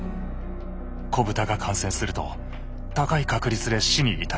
子豚が感染すると高い確率で死に至ります。